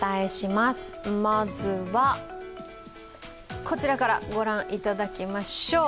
まずは、こちらから御覧いただきましょう。